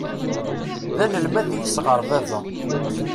D anelmad i yesɣeṛ baba.